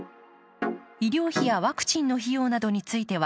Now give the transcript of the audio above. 医療費やワクチンの費用などについては、